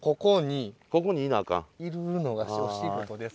いるのがお仕事です。